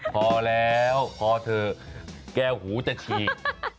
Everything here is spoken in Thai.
พอแล้วพอเถอะแก้วหูจะฉีก